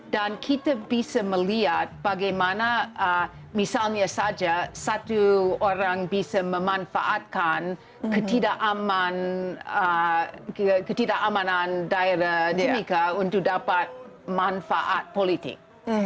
dan kita bisa melihat bagaimana misalnya saja satu orang bisa memanfaatkan ketidakamanan daerah timika untuk dapat manfaat politik